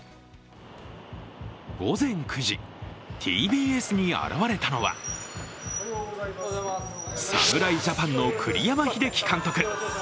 午前９時、ＴＢＳに現れたのは侍ジャパンの栗山英樹監督。